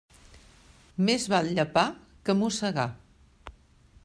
Més val llepar que mossegar.